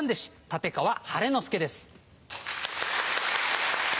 立川晴の輔です。